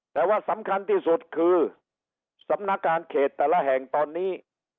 แต่ว่าสำคัญที่สุดคือสำนักการเขตแต่ละแห่งตอนนี้